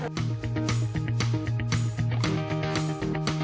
น้ำจีนเนี่ย๓น้ำยาอยู่ข้างหน้าเลยมี